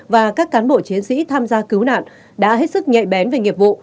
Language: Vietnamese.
và các cán bộ chiến sĩ tham gia cứu nạn đã hết sức nhạy bén về nghiệp vụ